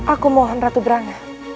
aku mohon ratu prana